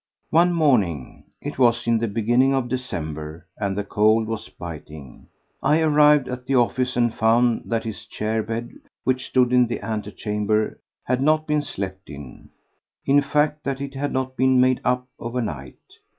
One morning—it was in the beginning of December and the cold was biting—I arrived at the office and found that his chair bed which stood in the antechamber had not been slept in; in fact that it had not been made up overnight.